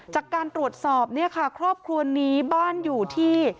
จากการตรวจสอบเนี่ยค่ะครอบครัวนี้บ้านอยู่ที่